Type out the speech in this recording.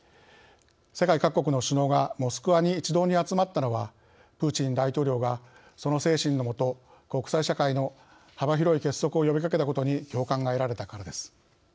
世界各国の首脳がモスクワに一堂に集まったのはプーチン大統領がその精神の下国際社会の幅広い結束を呼びかけたことに共感が得られたからです。